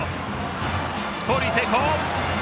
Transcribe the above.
盗塁成功！